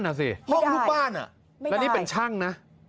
นั่นเหรอสิไม่ได้ไม่ได้แล้วนี่เป็นช่างนะ